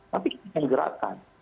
tapi kita ingin gerakan